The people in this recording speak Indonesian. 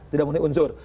tidak muncul unsur